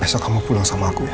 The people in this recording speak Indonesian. besok kamu pulang sama aku